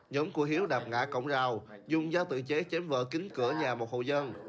nhóm của hiếu đạp ngã cổng rào dùng giao tự chế chém vỡ kính cửa nhà một hộ dân